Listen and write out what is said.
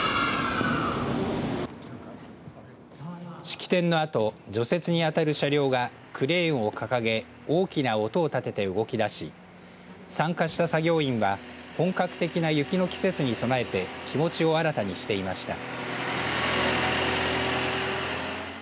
式典のあと除雪に当たる車両がクレーンを掲げ大きな音を立てて動き出し参加した作業員は本格的な雪の季節に備えて気持ちを新たにしていました。